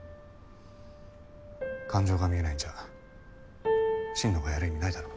感情が見えないんじゃ心野がやる意味ないだろ。